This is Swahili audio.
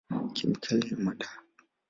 Kemikali na madawa.